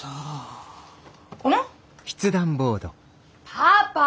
パパ！